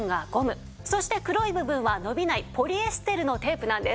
そして黒い部分は伸びないポリエステルのテープなんです。